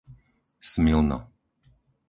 Smilno